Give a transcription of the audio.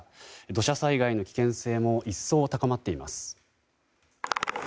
土砂災害の危険性も一層高まっています。